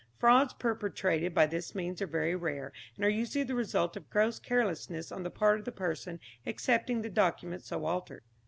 Frauds perpetrated by this means are very rare, and are usually the result of gross carelessness on the part of the person accepting the document so altered.